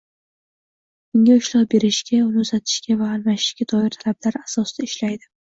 unga ishlov berishga, uni uzatishga va almashishga doir talablar asosida ishlaydi.